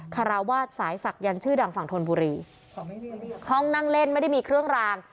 คาราวาสสายศักยันต์ชื่อดังฝั่งธนบุรีห้องนั่งเล่นไม่ได้มีเครื่องราง